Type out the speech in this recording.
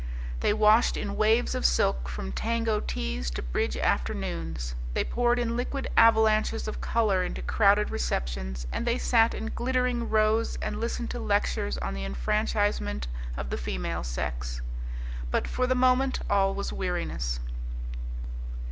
They washed in waves of silk from tango teas to bridge afternoons. They poured in liquid avalanches of colour into crowded receptions, and they sat in glittering rows and listened to lectures on the enfranchisement of the female sex. But for the moment all was weariness.